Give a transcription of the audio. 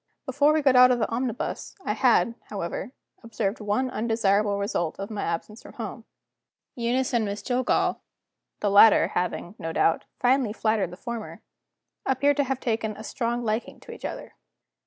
Before we got out of the omnibus I had, however, observed one undesirable result of my absence from home. Eunice and Miss Jillgall the latter having, no doubt, finely flattered the former appeared to have taken a strong liking to each other.